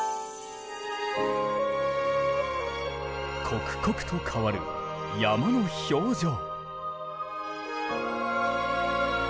刻々と変わる山の表情。